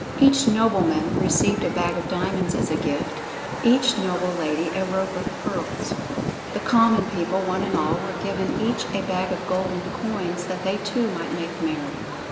Each nobleman received a bag of diamonds as a gift, each noble lady a rope of pearls. The common people, one and all, were given each a bag of golden coins that they too might make merry.